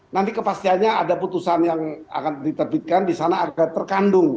nanti kepastiannya ada putusan yang akan diterbitkan di sana agar terkandung